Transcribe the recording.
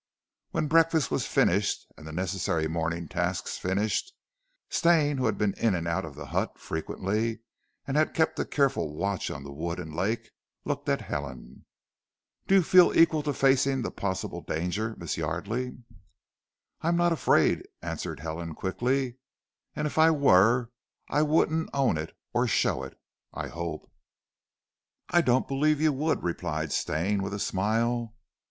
When breakfast was finished and the necessary morning tasks finished, Stane, who had been in and out of the hut frequently and had kept a careful watch on the wood and lake, looked at Helen. "Do you feel equal to facing the possible danger, Miss Yardely?" "I am not afraid," answered Helen quickly, "and if I were I wouldn't own it or show it, I hope." "I don't believe you would," replied Stane with a smile.